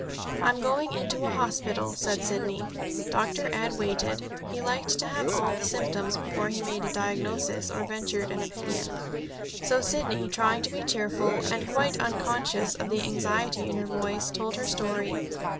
"I'm going into a hospital," said Sidney. Dr. Ed waited. He liked to have all the symptoms before he made a diagnosis or ventured an opinion. So Sidney, trying to be cheerful, and quite unconscious of the anxiety in her voice, told her story.